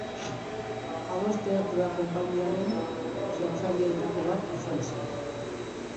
Ados Teatroa konpainiaren sortzaileetako bat izan zen.